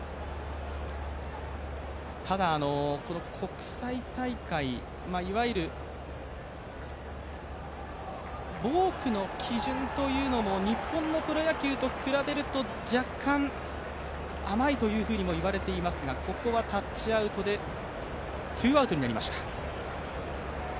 国際大会、ボークの基準というのも日本の基準と比べると若干甘いと言われていますがここはタッチアウトでツーアウトになりました。